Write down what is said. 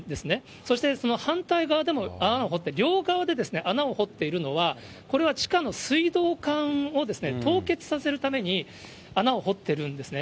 そして、その反対側でも穴を掘って、両側で穴を掘っているのは、これは地下の水道管を凍結させるために、穴を掘ってるんですね。